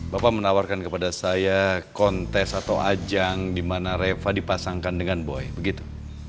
bapak menawarkan kepada saya kontes atau ajang di mana reva dipasangkan dengan boy begitu